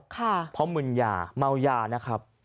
เพราะมึนยาเมายานะครับ